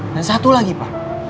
dan satu lagi pa